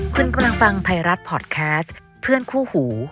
คุณกำลังฟังไทยรัฐพอร์ตแคสต์เพื่อนคู่หู